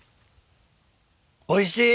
おいしい。